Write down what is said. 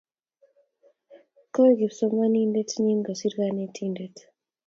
Koi kipsomaniandet nin kosir kanetindet